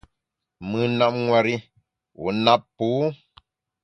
Mùn nap nwer i, wu nap pô.